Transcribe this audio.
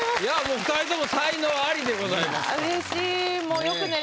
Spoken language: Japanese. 二人とも才能アリでございますから。